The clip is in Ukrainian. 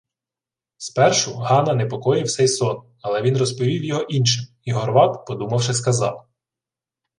Спершу Гана непокоїв сей сон, але він розповів його іншим, і Горват, подумавши, сказав: